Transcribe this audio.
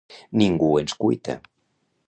Ningú ens cuita.